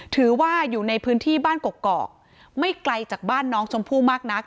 ถือว่าอยู่ในพื้นที่บ้านกอกไม่ไกลจากบ้านน้องชมพู่มากนัก